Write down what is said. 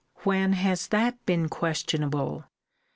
When has that been questionable?